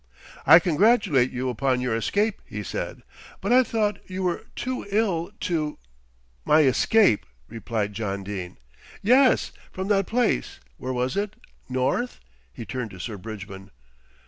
"I congratulate you upon your escape," he said, "but I thought you were too ill to " "My escape!" replied John Dene. "Yes, from that place where was it, North?" He turned to Sir Bridgman.